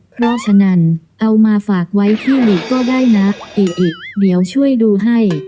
เพราะฉะนั้นเอามาฝากไว้ที่หลีก็ได้นะอิอิเดี๋ยวช่วยดูให้